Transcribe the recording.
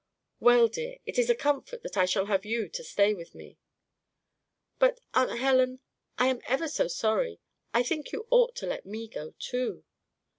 "Well, dear, it is a comfort that I shall have you to stay with me." "But, Aunt Helen, I am ever so sorry. I think you ought to let me go too."